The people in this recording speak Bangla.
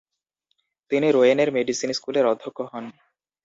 তিনি রোয়েনের মেডিসিন স্কুলের অধ্যক্ষ হন।